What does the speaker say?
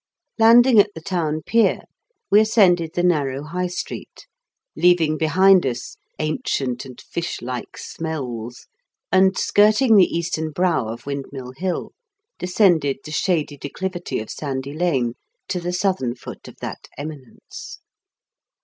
Landing at the town pier, we ascended the narrow High Street, leaving behind us " ancient and fish like smells," and skirting the eastern brow of Windmill Hill, descended the shady declivity of Sandy Lane to the southern foot of that eminence.